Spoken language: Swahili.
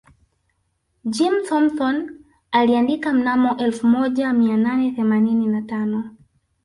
Jim Thompson aliandika mnamo elfu moja mia nane themanini na tano